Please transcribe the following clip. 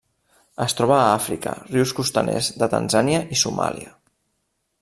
Es troba a Àfrica: rius costaners de Tanzània i Somàlia.